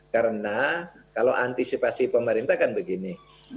karena kalau antisipasi pemerintah kan begini